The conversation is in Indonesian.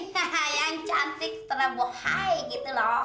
hah ha yang cantik terleboh hai gitu loh